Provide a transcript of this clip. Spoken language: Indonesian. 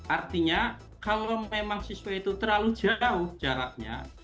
artinya kalau memang siswa itu terlalu jauh jaraknya